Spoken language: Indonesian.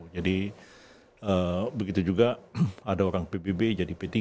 jadi begitu juga ada orang pbb jadi p tiga